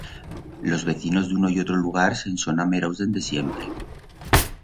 Los vecinos d'uno y otro lugar se'n son ameraus dende siempre.